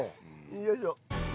よいしょ。